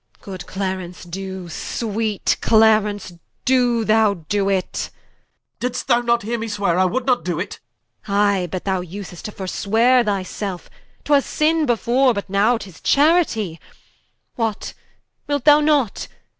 Good Clarence do: sweet Clarence do thou do it Cla. Did'st thou not heare me sweare I would not do it? Qu. I, but thou vsest to forsweare thy selfe. 'Twas Sin before, but now 'tis Charity What wilt y not?